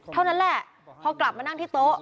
เท่านั้นแหละพอกลับมานั่งที่โต๊ะ